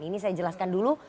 ini saya jelaskan dulu